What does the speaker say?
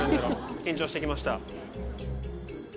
緊張してきました。